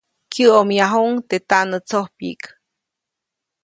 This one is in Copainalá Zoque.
Kyäʼomyajuʼuŋ teʼ taʼnätsojpyiʼk.